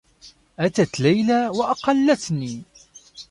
أتت ليلى و أقلّتني.